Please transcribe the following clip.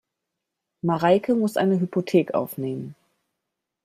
Mareike muss eine Hypothek aufnehmen.